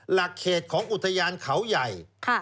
หลักเขตของอุทยานเขาใหญ่